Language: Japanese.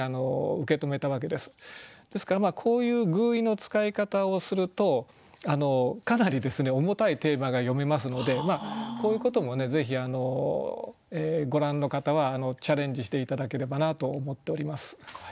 ですからこういう寓意の使い方をするとかなり重たいテーマが詠めますのでこういうこともぜひご覧の方はチャレンジして頂ければなと思っております。